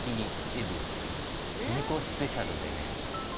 猫スペシャルでね。